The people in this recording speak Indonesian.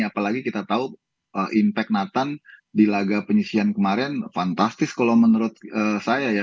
apalagi kita tahu impact nathan di laga penyisian kemarin fantastis kalau menurut saya ya